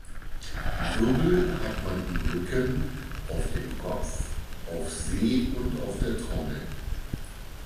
Wirbel hat man im Rücken, auf dem Kopf, auf See und auf der Trommel.